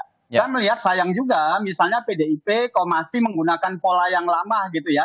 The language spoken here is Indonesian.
kita melihat sayang juga misalnya pdip kok masih menggunakan pola yang lama gitu ya